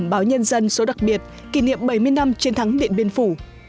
báo nhân dân số đặc biệt kỷ niệm bảy mươi năm chiến thắng điện biên phủ